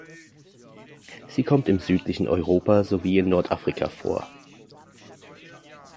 Sie kommt im südlichen Europa sowie in Nordafrika vor.